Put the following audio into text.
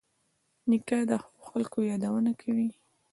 نیکه د ښو خلکو یادونه کوي.